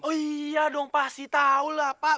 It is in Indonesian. oh iya dong pasti tahu lah pak